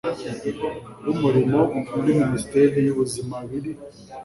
w umurimo muri minisiteri y ubuzima biri